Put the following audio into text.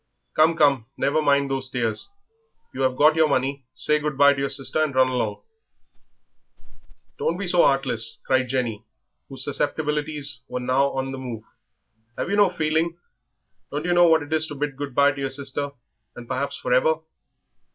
"Come, come, never mind those tears. You have got your money; say good bye to your sister and run along." "Don't be so 'eartless," cried Jenny, whose susceptibilities were now on the move. "'Ave yer no feeling; don't yer know what it is to bid good bye to yer sister, and perhaps for ever?"